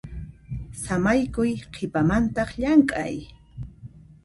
Samaykuy qhipamantaq llamk'ay.